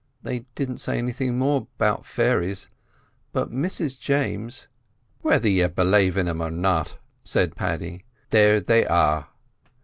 They didn't say anything more about fairies, but Mrs James——" "Whether you b'lave in them or not," said Paddy, "there they are.